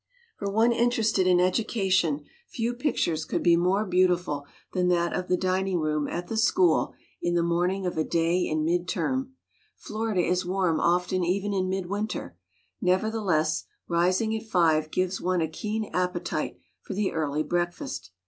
For one interested in education few pic tures could be more beautiful than that of the dining room at the school in the morning of a day in midterm. Florida is warm often even in midwinter; nevertheless, rising at five gives one a keen appetite for the early breakfast.